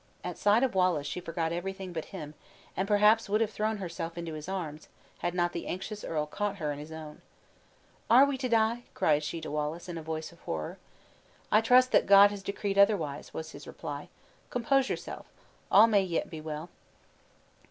At sight of Wallace she forgot everything but him; and perhaps would have thrown herself into his arms, had not the anxious earl caught her in his own. "Are we to die?" cried she to Wallace, in a voice of horror. "I trust that God has decreed otherwise," was his reply. "Compose yourself; all may yet be well."